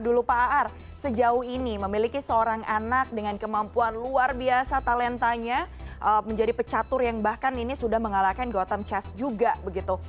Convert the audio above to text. dulu pak aar sejauh ini memiliki seorang anak dengan kemampuan luar biasa talentanya menjadi pecatur yang bahkan ini sudah mengalahkan gotham chess juga begitu